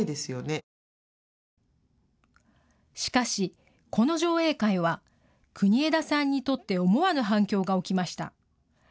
しかし、この上映会は国枝さんにとって思わぬ反響が起きました。